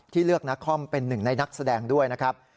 เลือกนักคอมเป็นหนึ่งในนักแสดงด้วยนะครับ